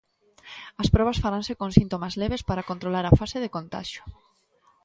As probas faranse con síntomas leves para controlar a fase de contaxio.